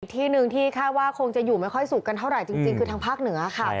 ที่หนึ่งที่คาดว่าคงจะอยู่ไม่ค่อยสุกกันเท่าไหร่จริงคือทางภาคเหนือค่ะ